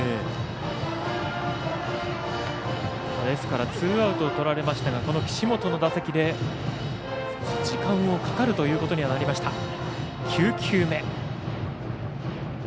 ですからツーアウトをとられましたがこの岸本の打席で時間がかかるということになりました。